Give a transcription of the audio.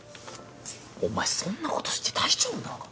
お前そんな事して大丈夫なのか？